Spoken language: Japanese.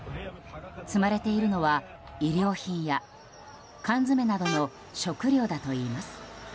積まれているのは、医療品や缶詰などの食料だといいます。